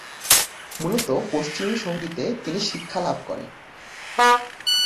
মূলত পশ্চিমি সংগীতে তিনি শিক্ষা লাভ করেন।